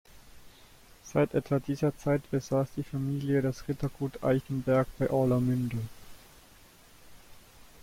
Seit etwa dieser Zeit besaß die Familie das Rittergut Eichenberg bei Orlamünde.